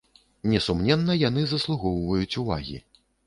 Несумненна, яны заслугоўваюць увагі.